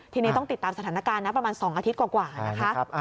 ทีนี้ต้องติดตามสถานการณ์นะประมาณ๒อาทิตย์กว่านะคะ